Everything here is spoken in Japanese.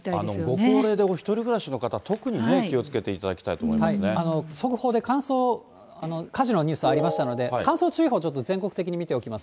ご高齢でお一人暮らしの方、特にね、気をつけていただきたい速報で乾燥、火事のニュースありましたので、乾燥注意報、ちょっと全国的に見ておきます。